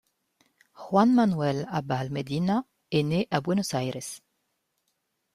Juan Manuel Abal Medina est né à Buenos Aires.